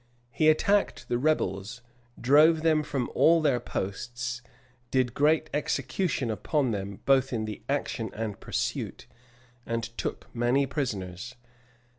He attacked the rebels, drove them from all their posts, did great execution upon them, both in the action and pursuit,[] and took many prisoners.